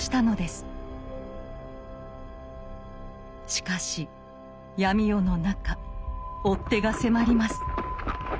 しかし闇夜の中追っ手が迫ります。